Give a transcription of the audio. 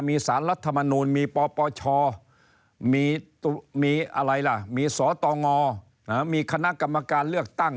มีสารรัฐมนูลมีปปชมีสตงมีคกเลือกตั้ง